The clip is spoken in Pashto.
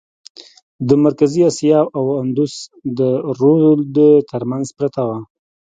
د مرکزي آسیا او اندوس د رود ترمنځ پرته وه.